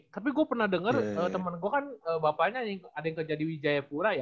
tapi gue pernah dengar temen gue kan bapaknya ada yang kerja di wijayapura ya